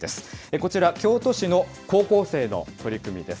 こちら、京都市の高校生の取り組みです。